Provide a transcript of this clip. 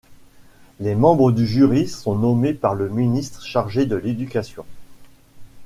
Les membres du jury sont nommés par le ministre chargé de l'éducation.